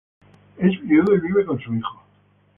Es viudo y vive con su hijo.